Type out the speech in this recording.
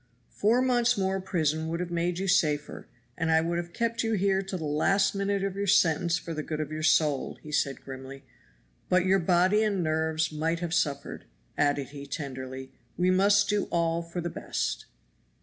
"Four months more prison would have made you safer, and I would have kept you here till the last minute of your sentence for the good of your soul," said he grimly; "but your body and nerves might have suffered," added he tenderly; "we must do all for the best."